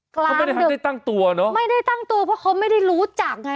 เขาไม่ได้ให้ได้ตั้งตัวเนอะไม่ได้ตั้งตัวเพราะเขาไม่ได้รู้จักไง